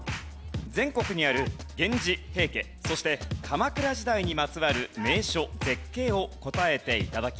全国にある源氏平家そして鎌倉時代にまつわる名所・絶景を答えて頂きます。